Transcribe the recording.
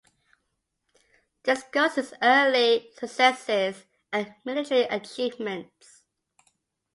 Discuss his early successes and military achievements.